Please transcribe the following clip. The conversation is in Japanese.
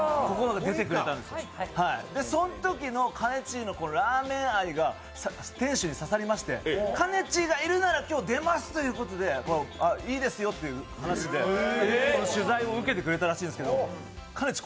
そのときのかねちのラーメン愛が店主に刺さりまして、かねちがいるなら出ますということで、いいですよということで取材を受けてくれたらしいんですけどかねちー